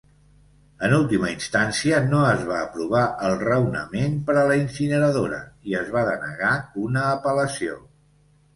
En última instància, no es va aprovar el raonament per a la incineradora i es va denegar una apel·lació.